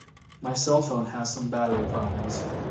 My cellphone has some battery problems.